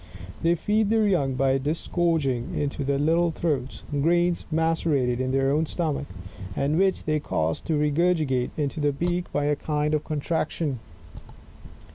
They feed their young by disgorging into their little throats, grains macerated in their own stomach, and which they cause to regurgitate into the beak by a kind of contraction.